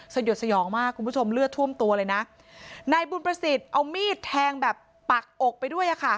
สยดสยองมากคุณผู้ชมเลือดท่วมตัวเลยนะนายบุญประสิทธิ์เอามีดแทงแบบปักอกไปด้วยอ่ะค่ะ